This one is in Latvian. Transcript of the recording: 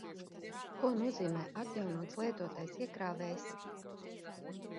Ko nozīmē atjaunots lietotais iekrāvējs?